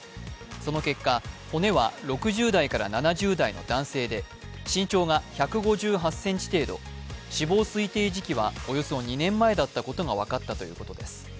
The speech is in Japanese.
その結果、骨は６０代から７０代の男性で身長が１５８ｃｍ程度、死亡推定時期はおよそ２年前だったことが分かったということです。